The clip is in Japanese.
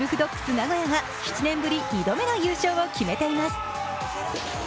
名古屋が７年ぶり２度目の優勝を決めています。